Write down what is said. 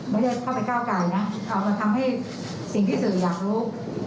ไม่ได้เข้าไปก้าวกายนะเอามาทำให้สิ่งที่สื่ออยากรู้